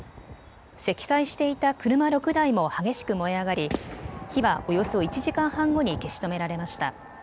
積載していた車６台も激しく燃え上がり、火はおよそ１時間半後に消し止められました。